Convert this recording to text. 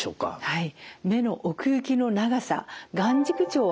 はい。